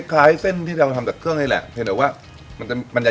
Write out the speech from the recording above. คล้ายเส้นที่เราทำจากเครื่องนี่แหละเห็นหรือว่ามันจะใหญ่กว่านั่นเอง